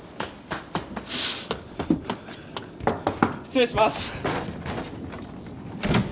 失礼します。